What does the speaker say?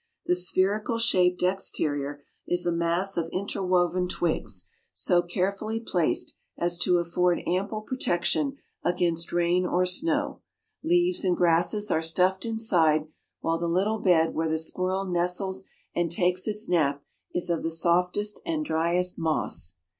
The spherical shaped exterior is a mass of interwoven twigs, so carefully placed as to afford ample protection against rain or snow; leaves and grasses are stuffed inside, while the little bed where the squirrel nestles and takes its nap is of the softest and driest moss.